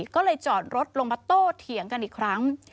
ก็เลยจอดรถลงมาโต้เถียงกันอีกครั้ง